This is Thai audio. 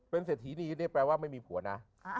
เศรษฐีดีนี่แปลว่าไม่มีผัวนะ